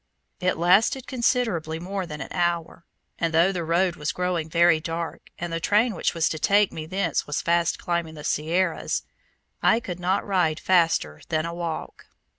It lasted considerably more than an hour, and though the road was growing very dark, and the train which was to take me thence was fast climbing the Sierras, I could not ride faster than a walk.